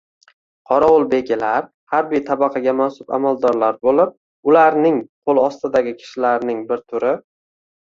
Qorovulbegilar harbiy tabaqaga mansub amaldorlar bo‘lib, ularning qo‘l ostidagi kishilarning bir turi